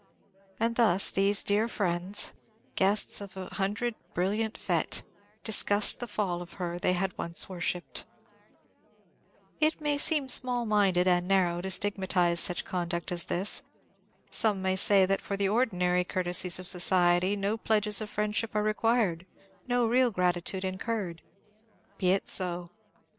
And thus these dear friends guests of a hundred brilliant fêtes discussed the fall of her they once had worshipped. It may seem small minded and narrow to stigmatize such conduct as this. Some may say that for the ordinary courtesies of society no pledges of friendship are required, no real gratitude incurred. Be it so.